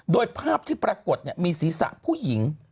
โดยภาพที่ปรากฏมีศีรษะผู้หญิง